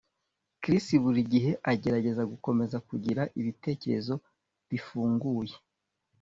Chris buri gihe agerageza gukomeza kugira ibitekerezo bifunguye